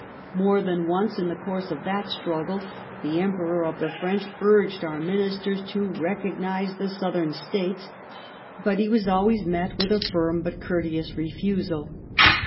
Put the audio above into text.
More than once in the course of that struggle, the Emperor of the French urged our Ministers to recognise the Southern States, but he was always met with a firm but courteous refusal.